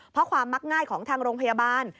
เพราะความมักง่ายของทางโรงพยาบาล